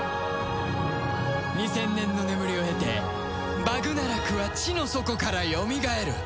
２０００年の眠りを経てバグナラクは地の底からよみがえる